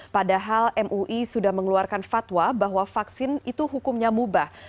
padahal mui sudah mengeluarkan fatwa bahwa vaksin itu hukumnya mubah